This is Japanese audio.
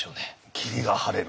霧が晴れる。